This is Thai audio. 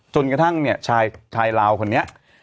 จนกระทั่งชายราวคนนี้